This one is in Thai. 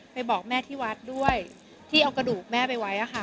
บอกแม่ที่วัดด้วยที่เอากระดูกแม่ไปไว้